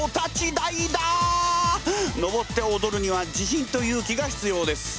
のぼっておどるには自信と勇気が必要です。